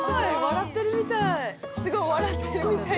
笑ってるみたい。